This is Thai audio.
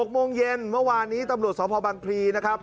๖โมงเย็นเมื่อวานนี้ตำรวจสพบังพลีนะครับ